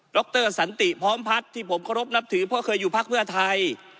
รสันติพร้อมพัฒน์ที่ผมเคารพนับถือเพราะเคยอยู่พักเพื่อไทย